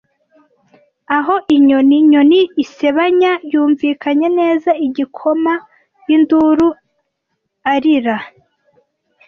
Aho inyoni-nyoni isebanya yumvikanye neza, igikoma, induru, arira,